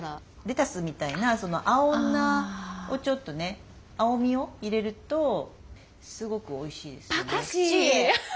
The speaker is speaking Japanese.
レタスみたいな青菜をちょっとね青みを入れるとすごくおいしいですよね。